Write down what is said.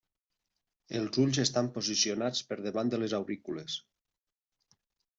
Els ulls estan posicionats per davant de les aurícules.